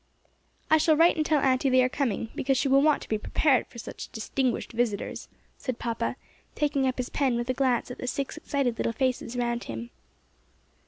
"I shall write and tell aunty they are coming, because she will want to be prepared for such distinguished visitors," said papa, taking up his pen with a glance at the six excited little faces round him.